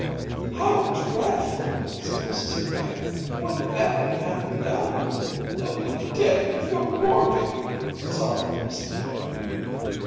"How dreadful!" said Mrs Ebag. "Whatever can be done?" "He'll be dead before morning," sobbed Miss Ebag.